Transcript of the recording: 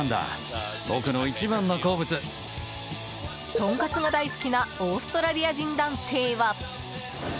とんかつが大好きなオーストラリア人男性は。